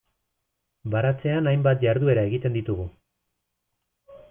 Baratzean hainbat jarduera egiten ditugu.